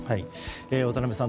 渡辺さん